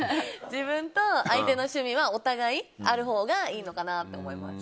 自分と相手の趣味はお互いにあるほうがいいのかなって思います。